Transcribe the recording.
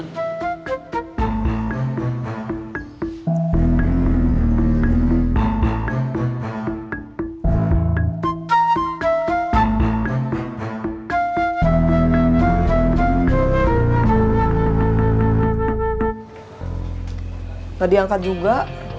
enggak diangkat juga